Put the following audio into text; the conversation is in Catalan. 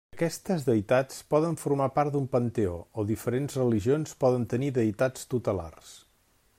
Aquestes deïtats poden formar part d'un panteó, o diferents religions poden tenir deïtats tutelars.